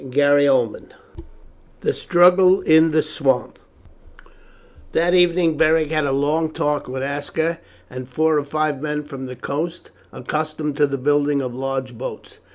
CHAPTER IX: THE STRUGGLE IN THE SWAMP That evening Beric had a long talk with Aska and four or five men from the coast accustomed to the building of large boats.